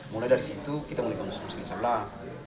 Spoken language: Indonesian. mulai dari situ kita mulai konsumsi di sebelah